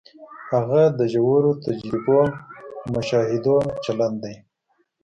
هغه د ژورو تجربو او مشاهدو چلن دی.